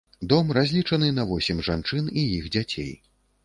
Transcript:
Дом разлічаны на восем жанчын і іх дзяцей.